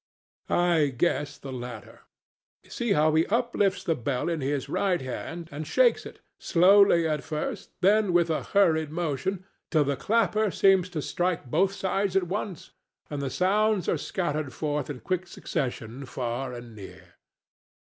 I guess the latter. See how he uplifts the bell in his right hand and shakes it slowly at first, then with a hurried motion, till the clapper seems to strike both sides at once, and the sounds are scattered forth in quick succession far and near.